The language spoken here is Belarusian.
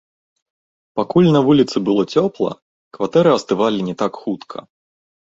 Пакуль на вуліцы было цёпла, кватэры астывалі не так хутка.